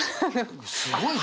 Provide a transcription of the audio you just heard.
すごいね！